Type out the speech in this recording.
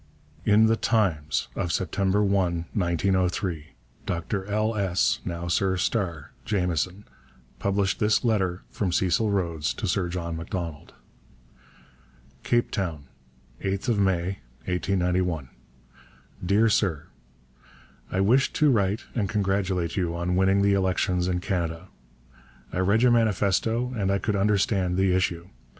In The Times of September 1, 1903, Dr L. S. (now Sir Starr) Jameson published this letter from Cecil Rhodes to Sir John Macdonald: CAPE TOWN, 8_th May_ 1891. DEAR SIR, I wished to write and congratulate you on winning the elections in Canada. I read your manifesto and I could understand the issue.